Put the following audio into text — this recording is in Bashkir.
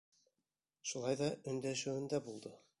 Шулай ҙа өндәшеүендә булды.